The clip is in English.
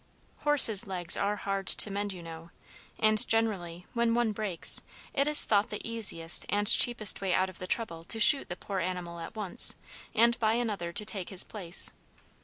Horses' legs are hard to mend, you know; and generally when one breaks, it is thought the easiest and cheapest way out of the trouble to shoot the poor animal at once, and buy another to take his place.